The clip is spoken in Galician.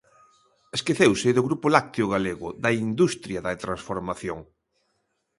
Esqueceuse do grupo lácteo galego, da industria da transformación.